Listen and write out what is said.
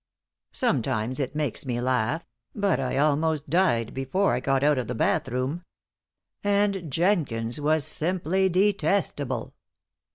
Sometimes it makes me laugh, but I almost died before I got out of the bath room. And Jenkins was simply detestable!